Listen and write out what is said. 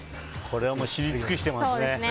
これは知り尽くしていますね。